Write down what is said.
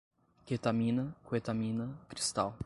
ketamina, quetamina, cristal